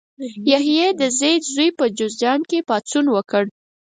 یحیی د زید زوی په جوزجان کې پاڅون وکړ.